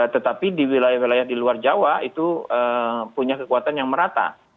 tetapi di wilayah wilayah di luar jawa itu punya kekuatan yang merata